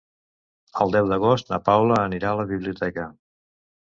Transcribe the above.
El deu d'agost na Paula anirà a la biblioteca.